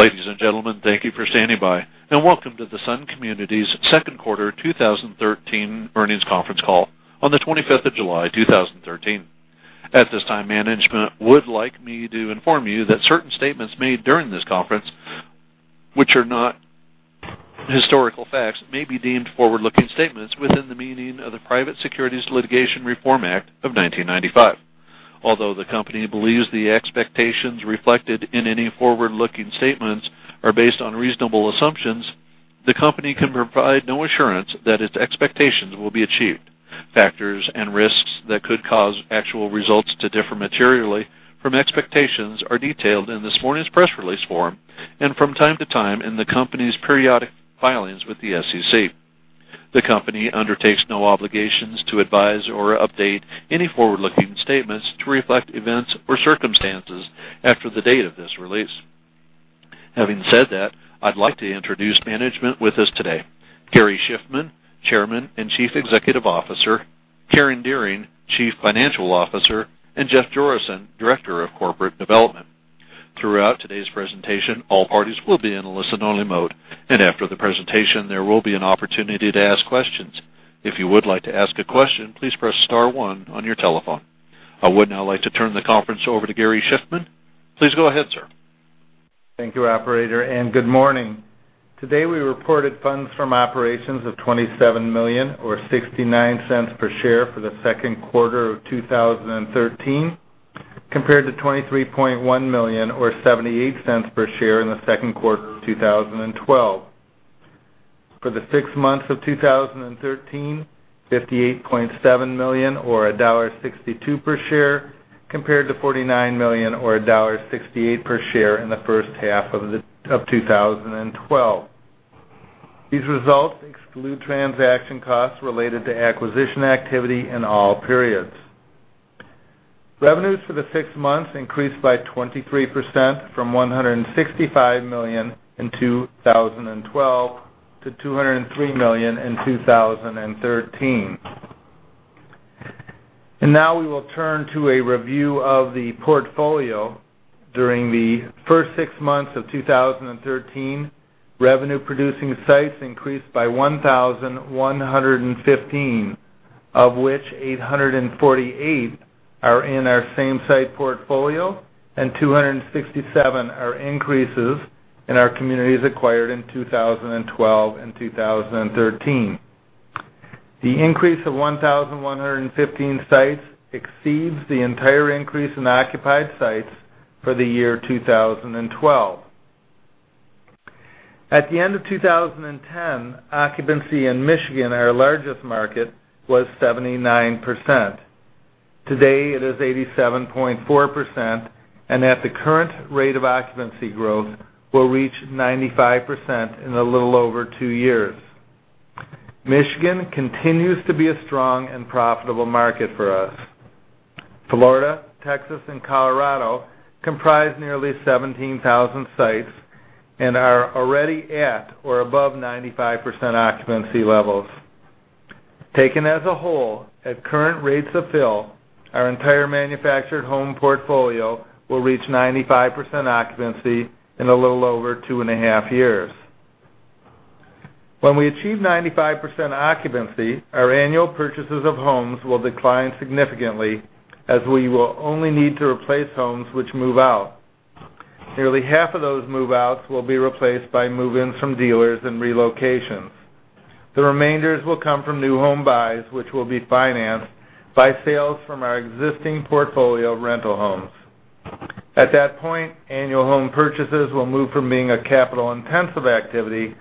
Ladies and gentlemen, thank you for standing by, and welcome to the Sun Communities Second Quarter 2013 Earnings Conference Call on the 25th of July, 2013. At this time, management would like me to inform you that certain statements made during this conference, which are not historical facts, may be deemed forward-looking statements within the meaning of the Private Securities Litigation Reform Act of 1995. Although the company believes the expectations reflected in any forward-looking statements are based on reasonable assumptions, the company can provide no assurance that its expectations will be achieved. Factors and risks that could cause actual results to differ materially from expectations are detailed in this morning's press release form and from time to time in the company's periodic filings with the SEC. The company undertakes no obligations to advise or update any forward-looking statements to reflect events or circumstances after the date of this release. Having said that, I'd like to introduce management with us today: Gary Shiffman, Chairman and Chief Executive Officer, Karen Dearing, Chief Financial Officer, and Jeff Jorissen, Director of Corporate Development. Throughout today's presentation, all parties will be in a listen-only mode, and after the presentation, there will be an opportunity to ask questions. If you would like to ask a question, please press star one on your telephone. I would now like to turn the conference over to Gary Shiffman. Please go ahead, sir. Thank you, Operator, and good morning. Today, we reported funds from operations of $27 million, or $0.69 per share, for the second quarter of 2013, compared to $23.1 million, or $0.78 per share, in the second quarter of 2012. For the six months of 2013, $58.7 million, or $1.62 per share, compared to $49 million, or $1.68 per share, in the first half of 2012. These results exclude transaction costs related to acquisition activity in all periods. Revenues for the six months increased by 23% from $165 million in 2012 to $203 million in 2013. Now, we will turn to a review of the portfolio. During the first six months of 2013, revenue-producing sites increased by 1,115, of which 848 are in our same-site portfolio and 267 are increases in our communities acquired in 2012 and 2013. The increase of 1,115 sites exceeds the entire increase in occupied sites for the year 2012. At the end of 2010, occupancy in Michigan, our largest market, was 79%. Today, it is 87.4%, and at the current rate of occupancy growth, will reach 95% in a little over two years. Michigan continues to be a strong and profitable market for us. Florida, Texas, and Colorado comprise nearly 17,000 sites and are already at or above 95% occupancy levels. Taken as a whole, at current rates of fill, our entire manufactured home portfolio will reach 95% occupancy in a little over 2.5 years. When we achieve 95% occupancy, our annual purchases of homes will decline significantly, as we will only need to replace homes which move out. Nearly half of those move-outs will be replaced by move-ins from dealers and relocations. The remainders will come from new home buys, which will be financed by sales from our existing portfolio of rental homes. At that point, annual home purchases will move from being a capital-intensive activity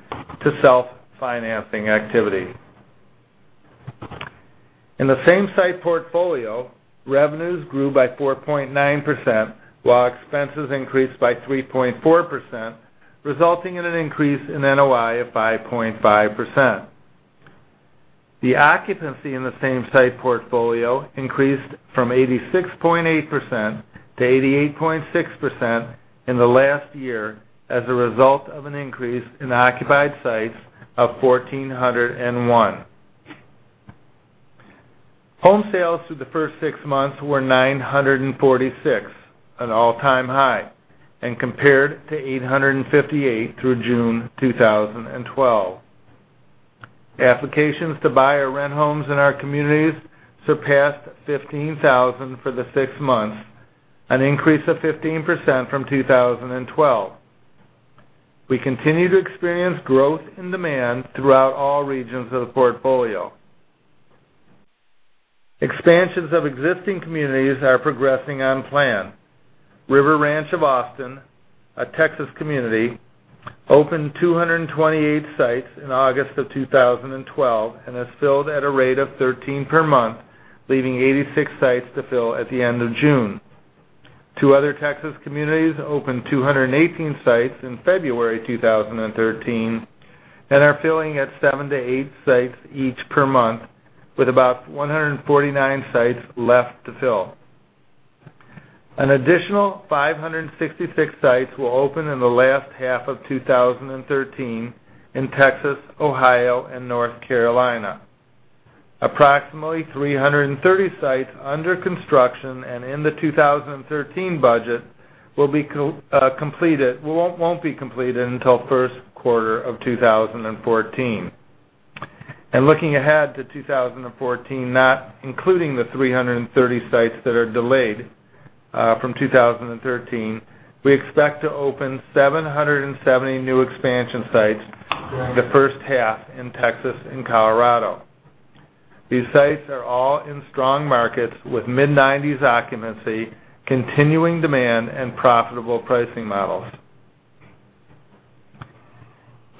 to self-financing activity. In the same-site portfolio, revenues grew by 4.9% while expenses increased by 3.4%, resulting in an increase in NOI of 5.5%. The occupancy in the same-site portfolio increased from 86.8% to 88.6% in the last year as a result of an increase in occupied sites of 1,401. Home sales through the first six months were 946, an all-time high, and compared to 858 through June 2012. Applications to buy or rent homes in our communities surpassed 15,000 for the six months, an increase of 15% from 2012. We continue to experience growth in demand throughout all regions of the portfolio. Expansions of existing communities are progressing on plan. River Ranch of Austin, a Texas community, opened 228 sites in August of 2012 and has filled at a rate of 13 per month, leaving 86 sites to fill at the end of June. Two other Texas communities opened 218 sites in February 2013 and are filling at seven to eight sites each per month, with about 149 sites left to fill. An additional 566 sites will open in the last half of 2013 in Texas, Ohio, and North Carolina. Approximately 330 sites under construction and in the 2013 budget won't be completed until the first quarter of 2014. Looking ahead to 2014, not including the 330 sites that are delayed from 2013, we expect to open 770 new expansion sites in the first half in Texas and Colorado. These sites are all in strong markets, with mid-90s occupancy, continuing demand, and profitable pricing models.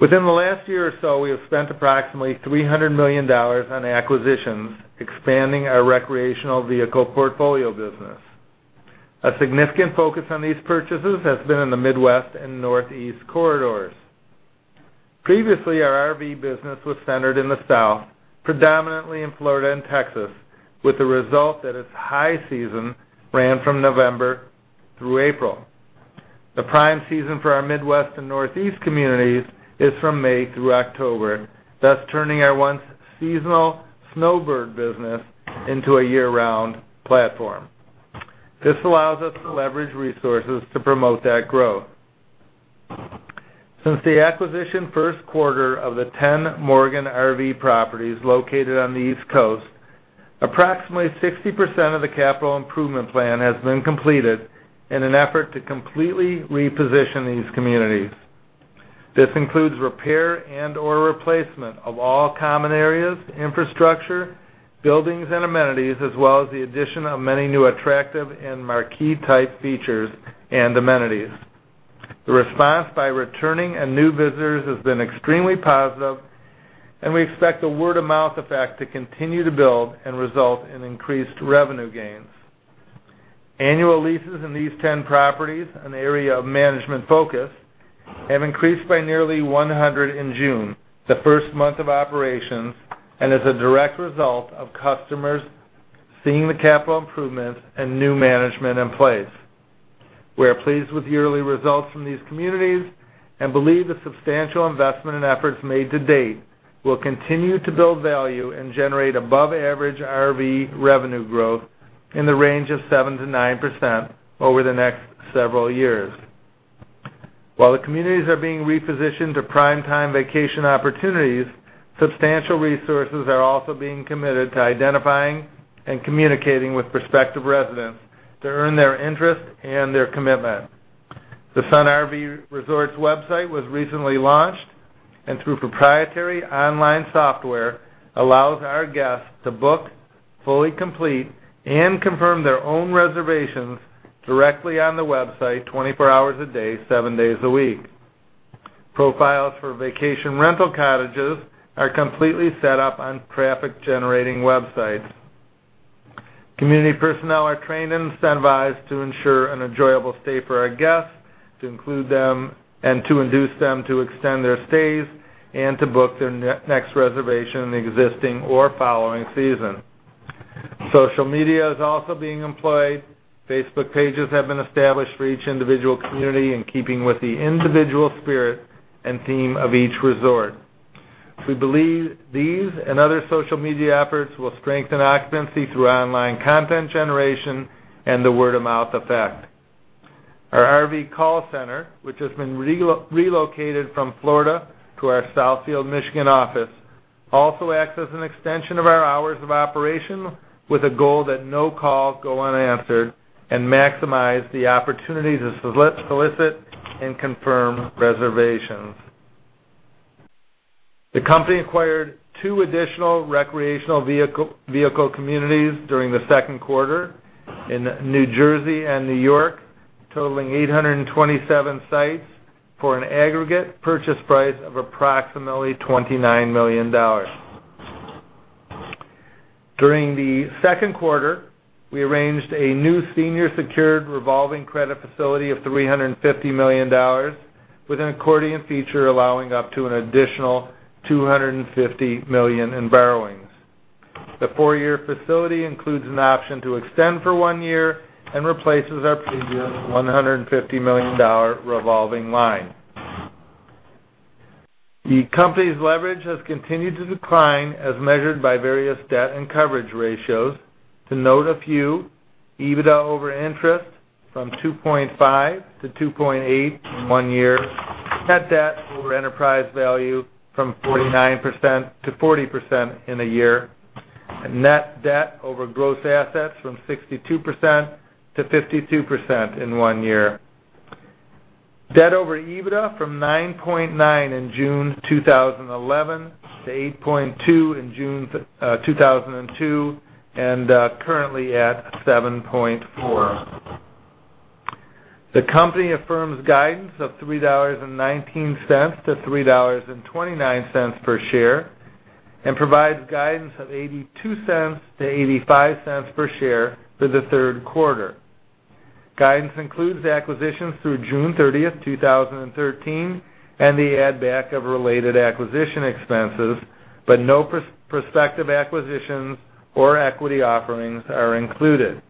Within the last year or so, we have spent approximately $300 million on acquisitions, expanding our recreational vehicle portfolio business. A significant focus on these purchases has been in the Midwest and Northeast corridors. Previously, our RV business was centered in the South, predominantly in Florida and Texas, with the result that its high season ran from November through April. The prime season for our Midwest and Northeast communities is from May through October, thus turning our once-seasonal snowbird business into a year-round platform. This allows us to leverage resources to promote that growth. Since the acquisition first quarter of the 10 Morgan RV properties located on the East Coast, approximately 60% of the capital improvement plan has been completed in an effort to completely reposition these communities. This includes repair and/or replacement of all common areas, infrastructure, buildings, and amenities, as well as the addition of many new attractive and marquee-type features and amenities. The response by returning and new visitors has been extremely positive, and we expect the word-of-mouth effect to continue to build and result in increased revenue gains. Annual leases in these 10 properties, an area of management focus, have increased by nearly 100 in June, the first month of operations, and is a direct result of customers seeing the capital improvements and new management in place. We are pleased with yearly results from these communities and believe the substantial investment and efforts made to date will continue to build value and generate above-average RV revenue growth in the range of 7%-9% over the next several years. While the communities are being repositioned to prime-time vacation opportunities, substantial resources are also being committed to identifying and communicating with prospective residents to earn their interest and their commitment. The Sun RV Resorts website was recently launched and, through proprietary online software, allows our guests to book, fully complete, and confirm their own reservations directly on the website 24 hours a day, seven days a week. Profiles for vacation rental cottages are completely set up on traffic-generating websites. Community personnel are trained and incentivized to ensure an enjoyable stay for our guests, to include them and to induce them to extend their stays and to book their next reservation in the existing or following season. Social media is also being employed. Facebook pages have been established for each individual community in keeping with the individual spirit and theme of each resort. We believe these and other social media efforts will strengthen occupancy through online content generation and the word-of-mouth effect. Our RV call center, which has been relocated from Florida to our Southfield, Michigan, office, also acts as an extension of our hours of operation with a goal that no calls go unanswered and maximize the opportunity to solicit and confirm reservations. The company acquired two additional recreational vehicle communities during the second quarter in New Jersey and New York, totaling 827 sites for an aggregate purchase price of approximately $29 million. During the second quarter, we arranged a new senior secured revolving credit facility of $350 million, with an accordion feature allowing up to an additional $250 million in borrowings. The four-year facility includes an option to extend for one year and replaces our previous $150 million revolving line. The company's leverage has continued to decline, as measured by various debt and coverage ratios. To note a few: EBITDA over interest from 2.5 to 2.8 in one year, net debt over enterprise value from 49%-40% in a year, and net debt over gross assets from 62%-52% in one year. Debt over EBITDA from 9.9 in June 2011 to 8.2 in June 2012 and currently at 7.4. The company affirms guidance of $3.19-$3.29 per share and provides guidance of $0.82-$0.85 per share for the third quarter. Guidance includes acquisitions through June 30th, 2013, and the add-back of related acquisition expenses, but no prospective acquisitions or equity offerings are included.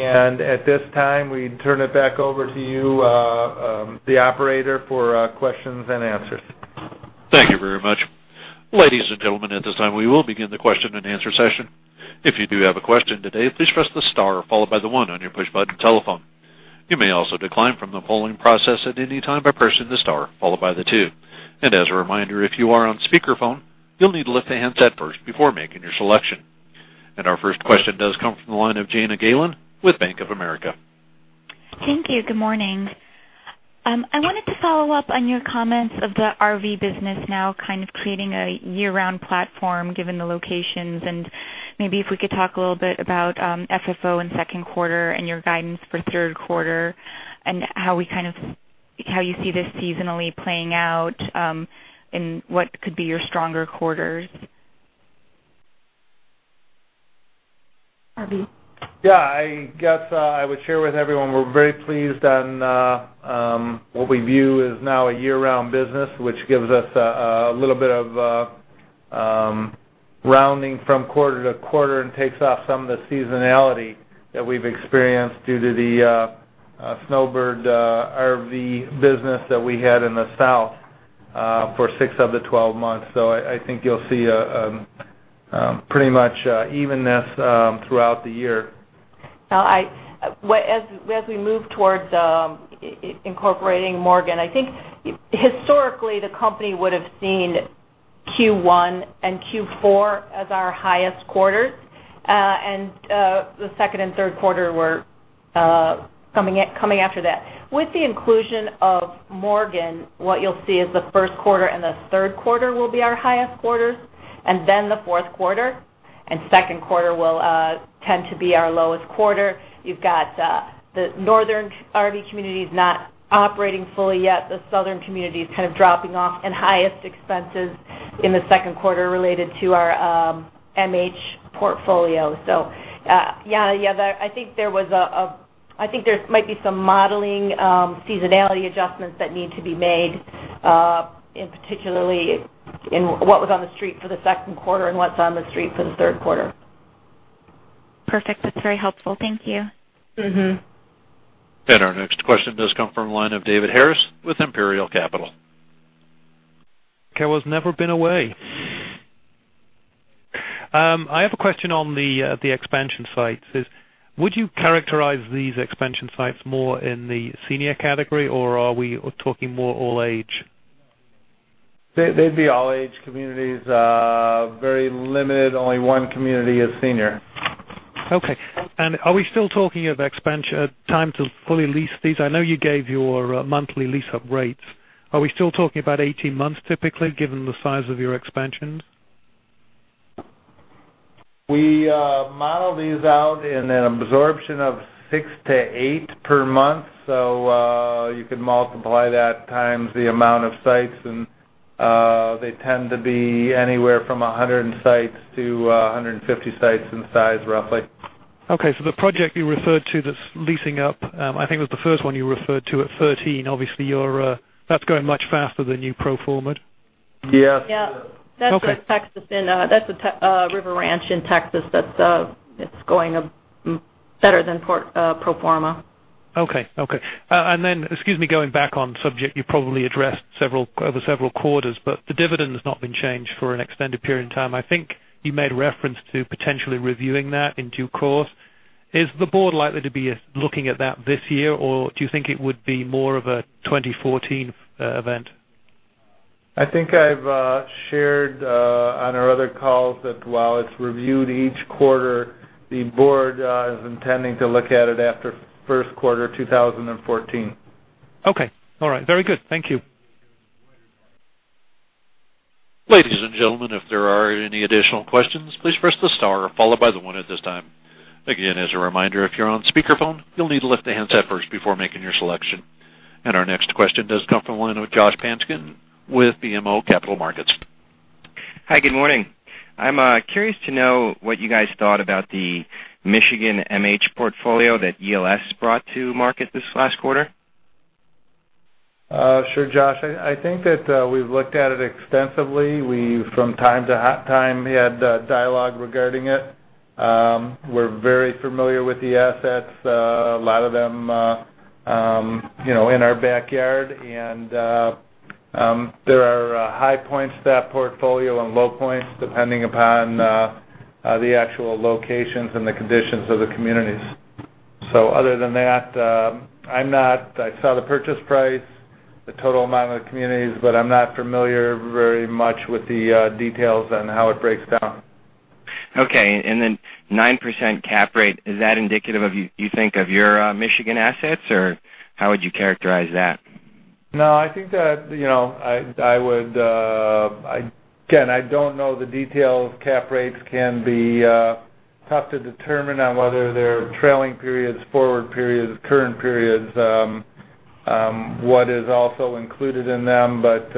At this time, we turn it back over to you, the Operator, for questions and answers. Thank you very much. Ladies and gentlemen, at this time, we will begin the question-and-answer session. If you do have a question today, please press the star followed by the one on your push button telephone. You may also decline from the polling process at any time by pressing the star followed by the two. And as a reminder, if you are on speakerphone, you'll need to lift the handset first before making your selection. And our first question does come from the line of Jana Galan with Bank of America. Thank you. Good morning. I wanted to follow up on your comments of the RV business now kind of creating a year-round platform, given the locations, and maybe if we could talk a little bit about FFO in second quarter and your guidance for third quarter and how you see this seasonally playing out and what could be your stronger quarters? Yeah. I guess I would share with everyone we're very pleased on what we view as now a year-round business, which gives us a little bit of rounding from quarter to quarter and takes off some of the seasonality that we've experienced due to the snowbird RV business that we had in the South for six of the 12 months. So I think you'll see pretty much evenness throughout the year. As we move towards incorporating Morgan, I think historically the company would have seen Q1 and Q4 as our highest quarters, and the second and third quarter were coming after that. With the inclusion of Morgan, what you'll see is the first quarter and the third quarter will be our highest quarters, and then the fourth quarter and second quarter will tend to be our lowest quarter. You've got the northern RV communities not operating fully yet. The southern communities kind of dropping off in highest expenses in the second quarter related to our MH portfolio. So yeah, I think there might be some modeling seasonality adjustments that need to be made, particularly in what was on the street for the second quarter and what's on the street for the third quarter. Perfect. That's very helpful. Thank you. Our next question does come from the line of David Harris with Imperial Capital. I was never been away. I have a question on the expansion sites. Would you characterize these expansion sites more in the senior category, or are we talking more all-age? They'd be all-age communities. Very limited. Only one community is senior. Okay. Are we still talking of time to fully lease these? I know you gave your monthly lease-up rates. Are we still talking about 18 months typically, given the size of your expansions? We model these out in an absorption of six to eight per month, so you could multiply that times the amount of sites, and they tend to be anywhere from 100-150 sites in size, roughly. Okay. So the project you referred to that's leasing up, I think it was the first one you referred to at 13. Obviously, that's going much faster than you pro forma it. Yes. Yeah. That's in Texas. That's a River Ranch in Texas. It's going better than pro forma. Okay. Okay. And then, excuse me, going back on subject, you probably addressed over several quarters, but the dividend has not been changed for an extended period of time. I think you made reference to potentially reviewing that in due course. Is the board likely to be looking at that this year, or do you think it would be more of a 2014 event? I think I've shared on our other calls that while it's reviewed each quarter, the board is intending to look at it after first quarter 2014. Okay. All right. Very good. Thank you. Ladies and gentlemen, if there are any additional questions, please press the star followed by the one at this time. Again, as a reminder, if you're on speakerphone, you'll need to lift the handset first before making your selection. Our next question does come from the line of Josh Patinkin with BMO Capital Markets. Hi. Good morning. I'm curious to know what you guys thought about the Michigan MH portfolio that ELS brought to market this last quarter. Sure, Josh. I think that we've looked at it extensively. From time to time, we had dialogue regarding it. We're very familiar with the assets, a lot of them in our backyard, and there are high points to that portfolio and low points depending upon the actual locations and the conditions of the communities. So other than that, I saw the purchase price, the total amount of the communities, but I'm not familiar very much with the details on how it breaks down. Okay. And then 9% cap rate, is that indicative, you think, of your Michigan assets, or how would you characterize that? No. I think that I would, again, I don't know the details. Cap rates can be tough to determine on whether they're trailing periods, forward periods, current periods, what is also included in them. But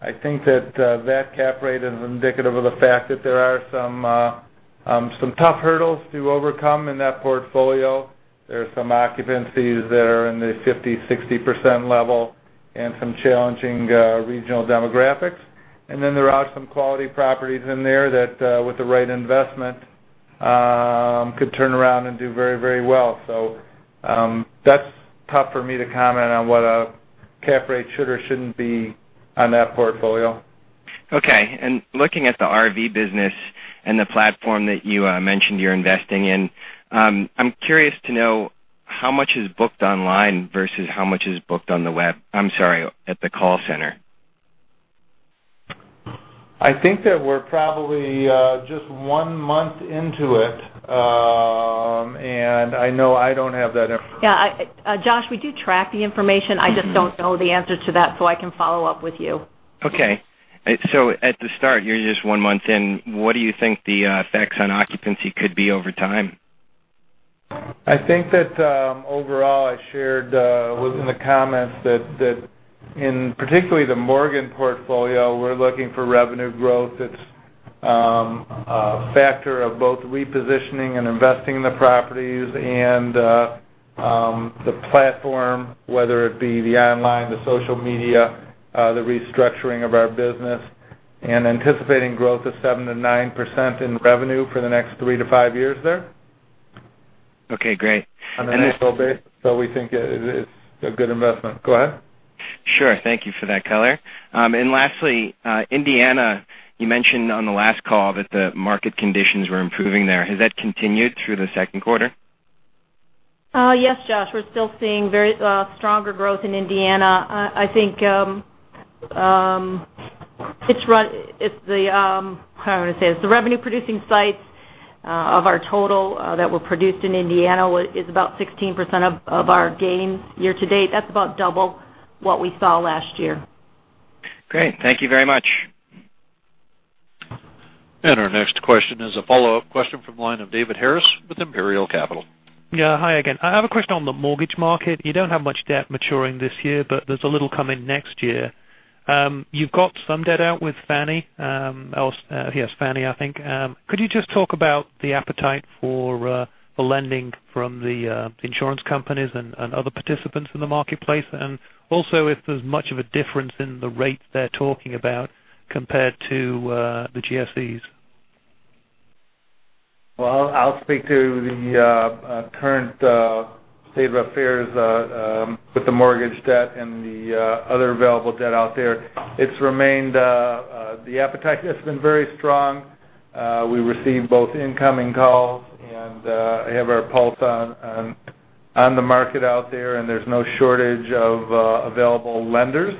I think that that cap rate is indicative of the fact that there are some tough hurdles to overcome in that portfolio. There are some occupancies that are in the 50%-60% level and some challenging regional demographics. And then there are some quality properties in there that, with the right investment, could turn around and do very, very well. So that's tough for me to comment on what a cap rate should or shouldn't be on that portfolio. Okay. Looking at the RV business and the platform that you mentioned you're investing in, I'm curious to know how much is booked online versus how much is booked on the web, I'm sorry, at the call center? I think that we're probably just one month into it, and I know I don't have that information. Yeah. Josh, we do track the information. I just don't know the answer to that, so I can follow up with you. Okay. At the start, you're just one month in. What do you think the effects on occupancy could be over time? I think that overall, I shared within the comments that, in particular the Morgan portfolio, we're looking for revenue growth. It's a factor of both repositioning and investing in the properties and the platform, whether it be the online, the social media, the restructuring of our business, and anticipating growth of 7%-9% in revenue for the next three to five years there. Okay. Great. So we think it's a good investment. Go ahead. Sure. Thank you for that, color. And lastly, Indiana, you mentioned on the last call that the market conditions were improving there. Has that continued through the second quarter? Yes, Josh. We're still seeing very stronger growth in Indiana. I think it's the—how do I want to say this? The revenue-producing sites of our total that were produced in Indiana is about 16% of our gain year to date. That's about double what we saw last year. Great. Thank you very much. Our next question is a follow-up question from the line of David Harris with Imperial Capital. Yeah. Hi again. I have a question on the mortgage market. You don't have much debt maturing this year, but there's a little coming next year. You've got some debt out with Fannie, yes, Fannie, I think. Could you just talk about the appetite for lending from the insurance companies and other participants in the marketplace, and also if there's much of a difference in the rates they're talking about compared to the GSEs? Well, I'll speak to the current state of affairs with the mortgage debt and the other available debt out there. It's remained. The appetite has been very strong. We receive both incoming calls and have our pulse on the market out there, and there's no shortage of available lenders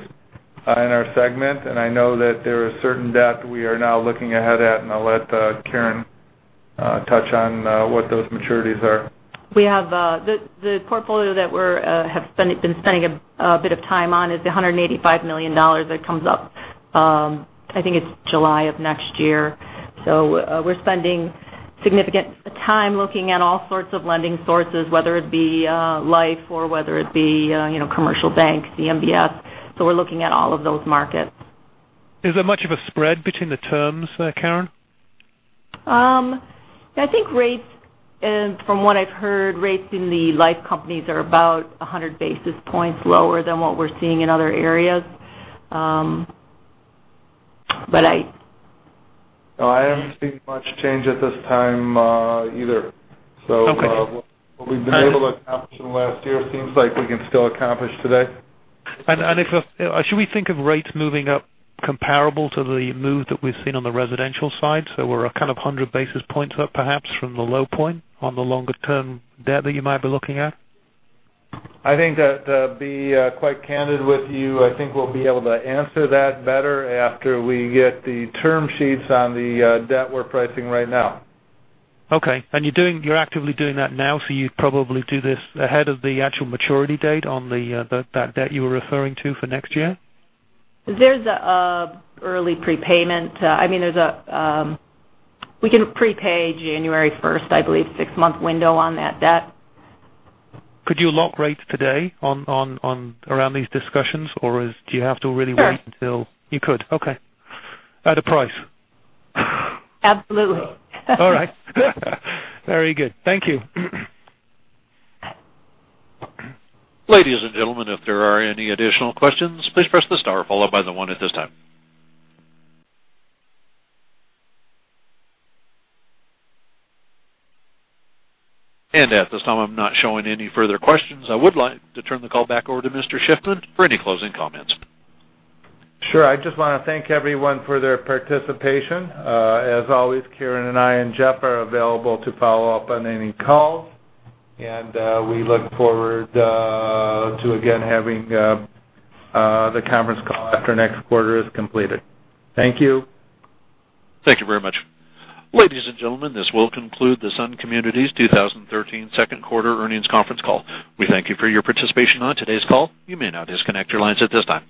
in our segment. And I know that there is certain debt we are now looking ahead at, and I'll let Karen touch on what those maturities are. The portfolio that we have been spending a bit of time on is $185 million that comes up. I think it's July of next year. So we're spending significant time looking at all sorts of lending sources, whether it be life or whether it be commercial banks, the MBS. So we're looking at all of those markets. Is there much of a spread between the terms, Karen? I think rates, from what I've heard, rates in the life companies are about 100 basis points lower than what we're seeing in other areas. But I. No, I haven't seen much change at this time either. So what we've been able to accomplish in the last year seems like we can still accomplish today. Should we think of rates moving up comparable to the move that we've seen on the residential side? We're kind of 100 basis points up, perhaps, from the low point on the longer-term debt that you might be looking at? I think, to be quite candid with you, I think we'll be able to answer that better after we get the term sheets on the debt we're pricing right now. Okay. You're actively doing that now, so you'd probably do this ahead of the actual maturity date on that debt you were referring to for next year? There's an early prepayment. I mean, we can prepay January 1st, I believe, six-month window on that debt. Could you lock rates today around these discussions, or do you have to really wait until? Yes. You could. Okay. At a price. Absolutely. All right. Very good. Thank you. Ladies and gentlemen, if there are any additional questions, please press the star followed by the one at this time. At this time, I'm not showing any further questions. I would like to turn the call back over to Mr. Shiffman for any closing comments. Sure. I just want to thank everyone for their participation. As always, Karen and I and Jeff are available to follow up on any calls, and we look forward to, again, having the conference call after next quarter is completed. Thank you. Thank you very much. Ladies and gentlemen, this will conclude the Sun Communities 2013 Second Quarter Earnings Conference Call. We thank you for your participation on today's call. You may now disconnect your lines at this time.